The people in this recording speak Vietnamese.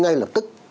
ngay lập tức